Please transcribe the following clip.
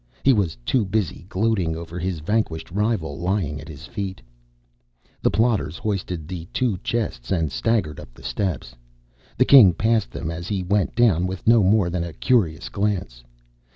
He was too busy gloating over his vanquished rival lying at his feet. The plotters hoisted the two chests and staggered up the steps. The King passed them as he went down with no more than a curious glance.